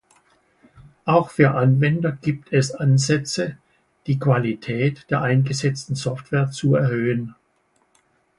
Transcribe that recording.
Auch für Anwender gibt es Ansätze, die Qualität der eingesetzten Software zu erhöhen.